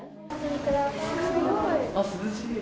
すごーい。